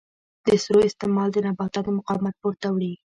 د سرو استعمال د نباتاتو مقاومت پورته وړي.